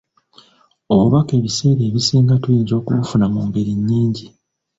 Obubaka ebiseera ebisinga tuyinza okubufuna mu ngeri nyingi.